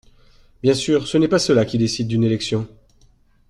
Bien sûr, ce n’est pas cela qui décide d’une élection.